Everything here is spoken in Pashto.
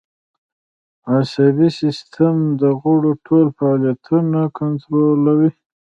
عصبي سیستم د غړو ټول فعالیتونه کنترولوي